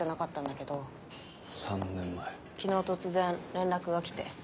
昨日突然連絡が来て。